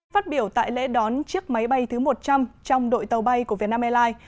phát biểu tại lễ đón chiếc máy bay thứ một trăm linh trong đội tàu bay của vietnam airlines